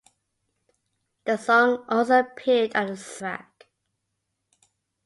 The song also appeared on the soundtrack.